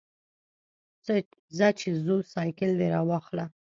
ځه چې ځو، سایکل دې راواخله.